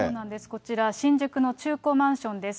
こちら、新宿の中古マンションです。